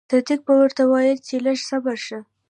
صدک به ورته ويل چې لږ صبر شه.